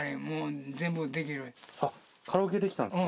カラオケできたんですか？